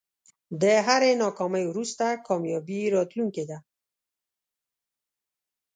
له هری ناکامۍ وروسته کامیابي راتلونکی ده.